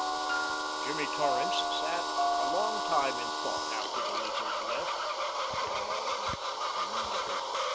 Jimmy Torrance sat a long time in thought after the Lizard left. "God!" he muttered.